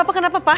papa kenapa pak